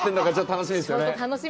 楽しみですよね。